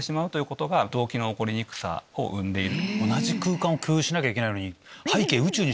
同じ空間を共有しなきゃいけないのに。